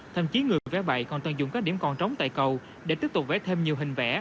thậm chí người vẽ bậy còn tận dụng các điểm còn trống tại cầu để tiếp tục vẽ thêm nhiều hình vẽ